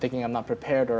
hal yang membuat mereka pikir